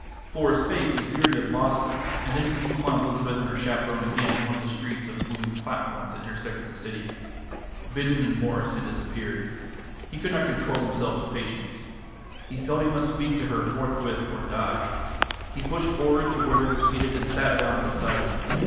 For a space he feared he had lost them, and then he came upon Elizabeth and her chaperone again in one of the streets of moving platforms that intersected the city. Bindon and Mwres had disappeared. He could not control himself to patience. He felt he must speak to her forthwith, or die. He pushed forward to where they were seated, and sat down beside them.